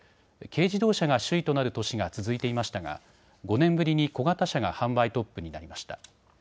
軽自動車が首位となる年が続いていましたが５年ぶりに小型車が販売トップになりました。